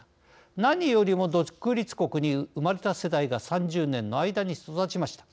何よりも独立国に生まれた世代が３０年の間に育ちました。